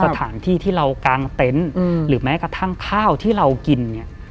สถานที่ที่เรากางเต็นต์หรือแม้กระทั่งข้าวที่เรากินเนี่ย